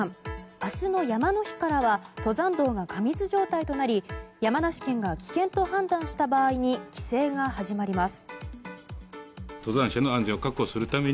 明日の山の日からは登山道が過密状態となり山梨県が危険と判断した場合に規制が始まります。